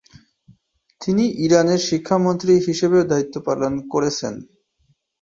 তিনি ইরানের শিক্ষামন্ত্রী হিসেবেও দায়িত্ব পালন করেছেন।